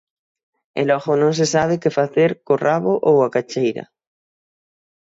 E logo non se sabe que facer co rabo ou a cacheira.